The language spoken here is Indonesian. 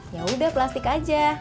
ya udah plastik aja